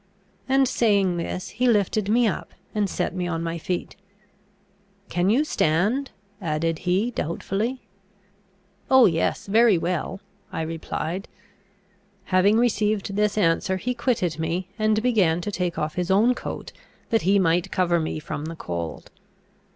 and, saying this, he lifted me up, and set me on my feet. "Can you stand?" added he, doubtfully. "Oh, yes, very well," I replied. Having received this answer, he quitted me, and began to take off his own coat, that he might cover me from the cold.